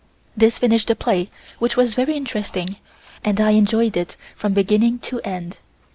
This finished the play, which was very interesting, and I enjoyed it from beginning to end.